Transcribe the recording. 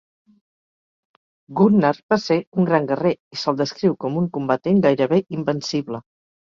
Gunnar va ser un gran guerrer i se'l descriu com un combatent gairebé invencible.